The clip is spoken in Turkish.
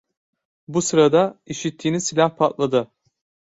Bu sırada işittiğiniz silah patladı.